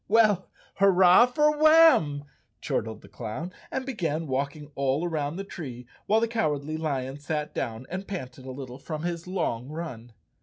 "W ell, hurrah for Warn!" chortled the clown, and began walking all around the tree, while the Cowardly Lion sat down and panted a little from his long run.